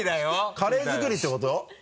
カレー作りってこと？